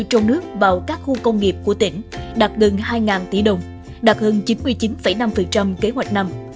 trong nước vào các khu công nghiệp của tỉnh đạt gần hai tỷ đồng đạt hơn chín mươi chín năm kế hoạch năm